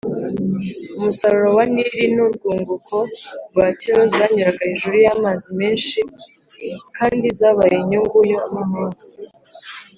umusaruro wa Nili n urwunguko rwa Tiro zanyuraga hejuru y amazi menshi kandi zabaye inyungu y amahanga